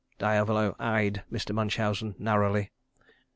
Diavolo eyed Mr. Munchausen narrowly.